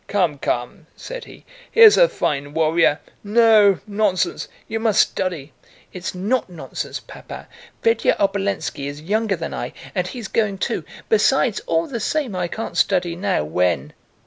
"Come, come!" said he. "Here's a fine warrior! No! Nonsense! You must study." "It's not nonsense, Papa. Fédya Obolénski is younger than I, and he's going too. Besides, all the same I can't study now when..."